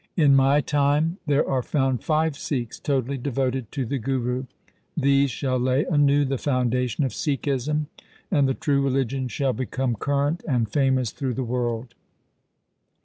In my time there are found five Sikhs totally devoted to the Guru. These shall lay anew the foundation of Sikhism, and the true religion shall become current and famous through the world.'